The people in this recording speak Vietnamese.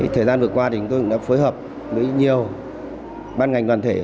thời gian vừa qua chúng tôi đã phối hợp với nhiều ban ngành toàn thể